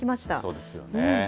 そうですよね。